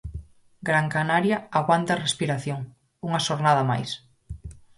Gran Canaria aguanta a respiración, unha xornada máis.